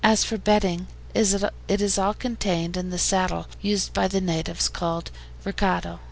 As for bedding, it is all contained in the saddle used by the natives, called RECADO.